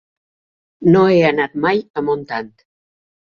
No he anat mai a Montant.